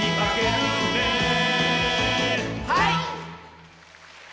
はい！